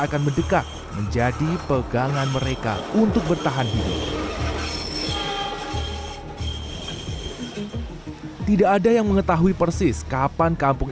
akan mendekat menjadi pegangan mereka untuk bertahan hidup tidak ada yang mengetahui persis kapan kampung